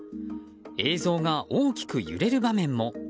映像が大きく揺れる場面も。